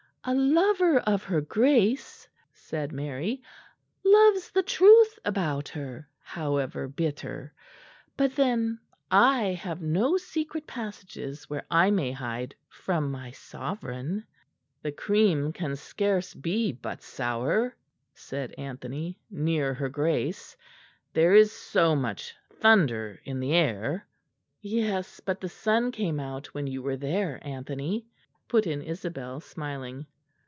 "A lover of her Grace," said Mary, "loves the truth about her, however bitter. But then I have no secret passages where I may hide from my sovereign!" "The cream can scarce be but sour," said Anthony, "near her Grace: there is so much thunder in the air." "Yes, but the sun came out when you were there, Anthony," put in Isabel, smiling.